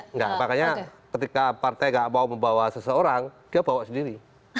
enggak makanya ketika partai gak mau membawa seseorang dia bawa sendiri